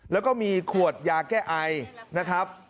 แล้วก็มีขวดยาแก้ไอนะครับ